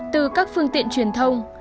từ các phương tiện truyền thông